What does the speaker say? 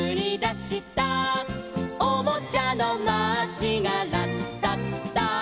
「おもちゃのマーチがラッタッタ」